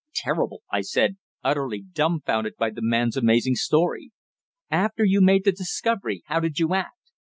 "Terrible!" I said, utterly dumbfounded by the man's amazing story. "After you made the discovery, how did you act?"